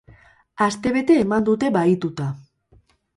Astebete eman dute bahituta.